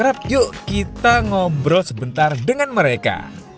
harap yuk kita ngobrol sebentar dengan mereka